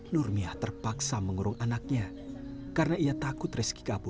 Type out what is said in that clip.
nurmia terpaksa mengurung anaknya karena ia takut reski kabur